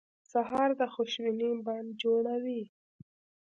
سهار د خوشبینۍ بڼ جوړوي.